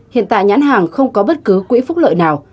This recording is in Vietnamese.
hiện tại nhãn hàng không có bất cứ quỹ phúc lợi nào